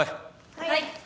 はい。